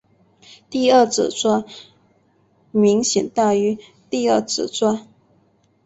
第二指爪明显大于第二指爪。